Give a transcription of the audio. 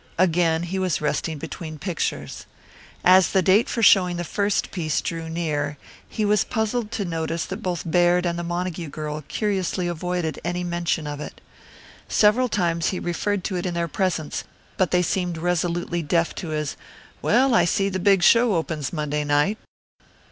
Again he was resting between pictures. As the date for showing the first piece drew near he was puzzled to notice that both Baird and the Montague girl curiously avoided any mention of it. Several times he referred to it in their presence, but they seemed resolutely deaf to his "Well, I see the big show opens Monday night."